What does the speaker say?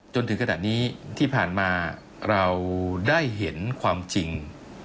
จนถึงขนาดนี้ที่ผ่านมาเราได้เห็นความจริง